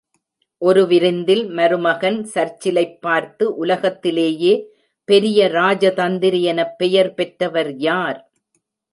ஒரு விருந்தில், மருமகன், சர்ச்சிலைப் பார்த்து, உலகத்திலேயே பெரிய ராஜதந்திரி எனப் பெயர் பெற்றவர் யார்?